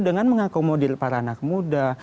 dengan mengakomodir para anak muda